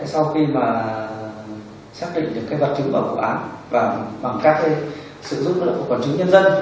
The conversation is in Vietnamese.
sau khi mà xác định được cái vật chứng của vụ án và bằng các cái sử dụng của quần chúng nhân dân